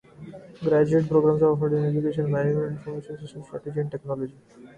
Graduate programs are offered in education and management information systems, strategy and technology.